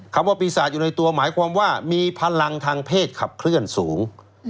คำว่าปีศาจอยู่ในตัวหมายความว่ามีพลังทางเพศขับเคลื่อนสูง